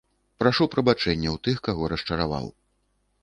Прашу прабачэння ў тых, каго расчараваў.